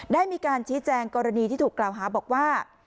ได้มีการชี้แจงกรณีที่ถูกกล่าวหาบอกว่า